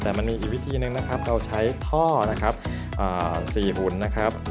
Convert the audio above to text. แต่มันมีอีกวิธีหนึ่งนะครับเราใช้ท่อนะครับ๔หุ่นนะครับ